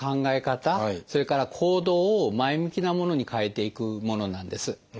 それから行動を前向きなものに変えていくものなんです。